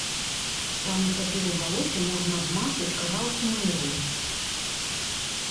Там і цяпер у балоце можна абмацаць кавалкі муру.